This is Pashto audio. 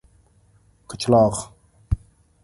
کچلاغ